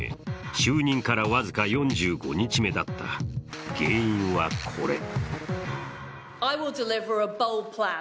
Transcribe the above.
就任から僅か４５日目だった、原因はこれ。